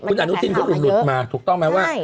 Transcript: คุณอนุทินเขาหลุดมาถูกต้องไหมว่า